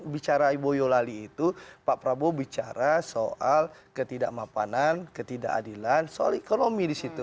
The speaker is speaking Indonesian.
bicara ibu yolali itu pak prabowo bicara soal ketidakmapanan ketidakadilan soal ekonomi disitu